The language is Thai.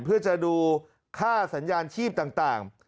เพื่อจะดูค่าสัญญาณชีพต่าง